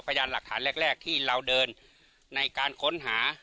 พยานหลักฐานแรกที่เราเดินในการค้นหา